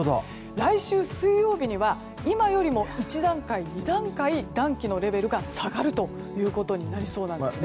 来週水曜日には今よりも１段階、２段階暖気のレベルが下がるということになりそうです。